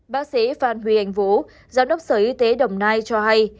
bác sĩ phan huy anh vú giám đốc sở y tế đồng nai cho hay